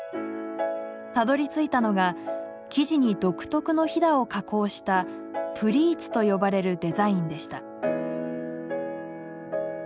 たどりついたのが生地に独特のひだを加工した「プリーツ」と呼ばれるデザインでした。